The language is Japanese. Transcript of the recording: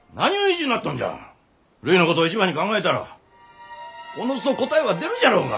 るいのことを一番に考えたらおのずと答えは出るじゃろうが！